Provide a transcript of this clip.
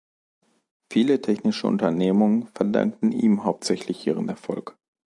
Viele technische Unternehmungen verdankten ihm hauptsächlich ihren Erfolg.